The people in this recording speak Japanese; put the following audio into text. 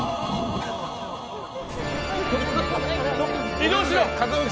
移動しろ！